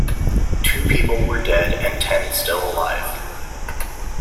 Two people were dead and ten still alive.